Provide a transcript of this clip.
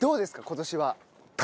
今年は。